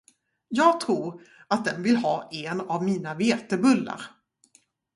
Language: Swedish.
Jag tror, att den vill ha en av mina vetebullar.